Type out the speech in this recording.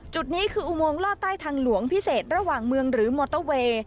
จุดนี้คืออุโมงลอดใต้ทางหลวงพิเศษระหว่างเมืองหรือมอเตอร์เวย์